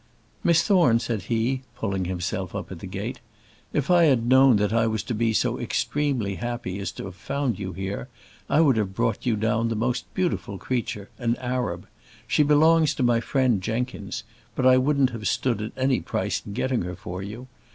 "Miss Thorne," said he, pulling himself up at the gate, "if I had known that I was to be so extremely happy as to have found you here, I would have brought you down the most beautiful creature, an Arab. She belongs to my friend Jenkins; but I wouldn't have stood at any price in getting her for you.